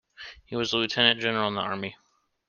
He was a lieutenant-general in the Army.